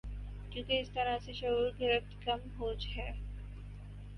کیونکہ اس طرح سے شعور گرفت کم ہو ج ہے